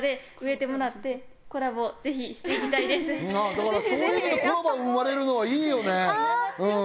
だからそういう意味でコラボ生まれるのはいいよねうん。